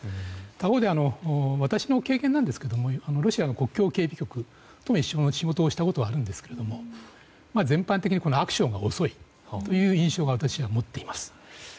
他方で私の経験ですけどロシアの国境警備局とも仕事をしたことがあるんですが全般的にアクションが遅いという印象を私は持っています。